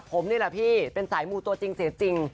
ผมนี่แหละพี่เป็นสายมูตัวจริงเสียจริง